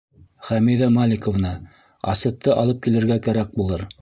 — Хәмиҙә Маликовна, Асетте алып килергә кәрәк булыр.